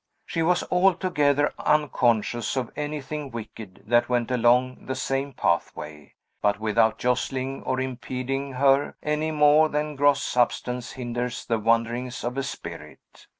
She was altogether unconscious of anything wicked that went along the same pathway, but without jostling or impeding her, any more than gross substance hinders the wanderings of a spirit.